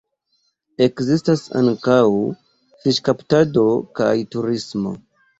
Ekzistas ankaŭ fiŝkaptado kaj turismo.